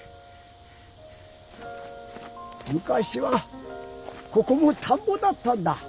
むかしはここもたんぼだったんだ。